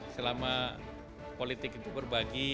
selama politik itu berbagi